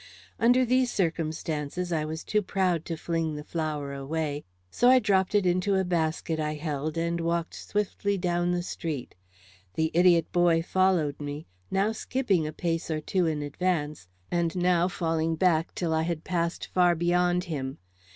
Under these circumstances I was too proud to fling the flower away; so I dropped it into a basket I held, and walked swiftly down the street. The idiot boy followed me; now skipping a pace or two in advance, and now falling back till I had passed far beyond him.